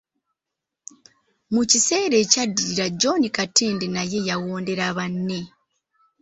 Mu kiseera ekyaddirira John Katende naye yawondera banne.